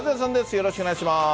よろしくお願いします。